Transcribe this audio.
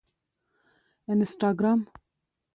انسټاګرام